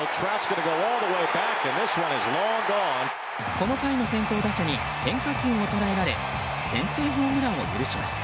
この回の先頭打者に変化球を捉えられ先制ホームランを許します。